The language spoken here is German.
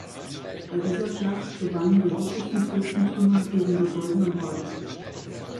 Bei dieser Schlacht gewannen die russischen Fürstentümer gegen die Goldene Horde.